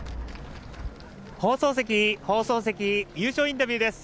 放送席、優勝インタビューです。